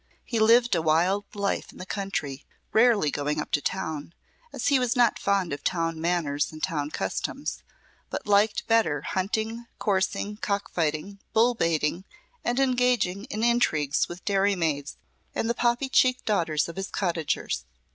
He lived a wild life in the country, rarely going up to town, as he was not fond of town manners and town customs, but liked better hunting, coursing, cock fighting, bull baiting, and engaging in intrigues with dairy maids and the poppy cheeked daughters of his cottagers.